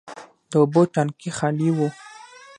د اوبو ټانکي خالي و.